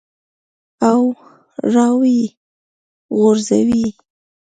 او راویې غورځوې.